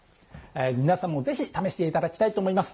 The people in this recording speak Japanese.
皆さんもぜひ試していただきたいと思います。